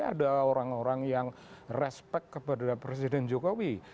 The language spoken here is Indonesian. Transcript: ada orang orang yang respect kepada presiden jokowi